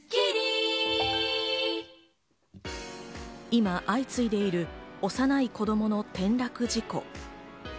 今、相次いでいる幼い子供の転落事故。